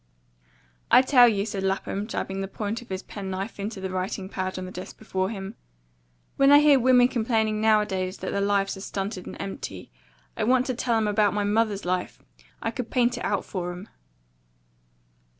"I tell you," said Lapham, jabbing the point of his penknife into the writing pad on the desk before him, "when I hear women complaining nowadays that their lives are stunted and empty, I want to tell 'em about my MOTHER'S life. I could paint it out for 'em."